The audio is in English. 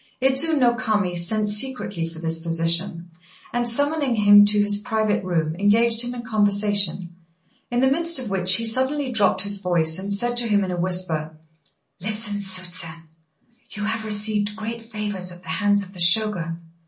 Idzu no Kami sent secretly for this physician, and, summoning him to his private room, engaged him in conversation, in the midst of which he suddenly dropped his voice and said to him in a whisper "Listen, Tsusen. You have received great favours at the hands of the Shogun.